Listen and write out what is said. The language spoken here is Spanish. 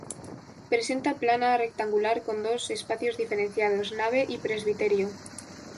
Presenta planta rectangular, con dos espacios diferenciados: nave y presbiterio.